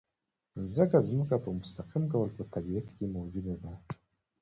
ځکه ځمکه په مستقیم ډول په طبیعت کې موجوده ده.